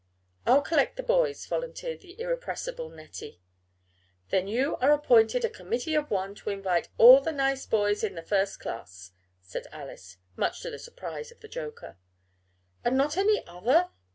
"I'll collect the boys," volunteered the irrepressible Nettie. "Then you are appointed a committee of one to invite all the nice boys in the first class," said Alice, much to the surprise of the joker. "And not any other?"